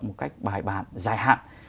một cách bài bản dài hạn